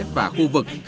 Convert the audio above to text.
và khu vực